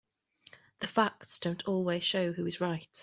The facts don't always show who is right.